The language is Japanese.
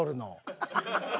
ハハハハ！